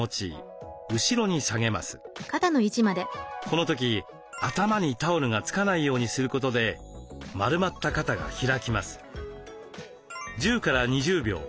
この時頭にタオルがつかないようにすることで丸まった肩が開きます。